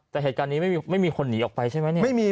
แต่เหตุการณ์นี้ไม่มีคนหนีออกไปใช่ไหมเนี่ย